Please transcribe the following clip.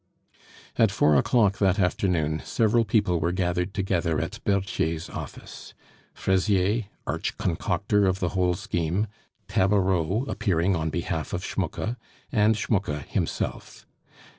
At four o'clock that afternoon several people were gathered together at Berthier's office; Fraisier, arch concocter of the whole scheme, Tabareau, appearing on behalf of Schmucke, and Schmucke himself.